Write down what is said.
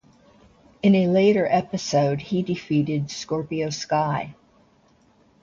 In a later episode he defeated Scorpio Sky.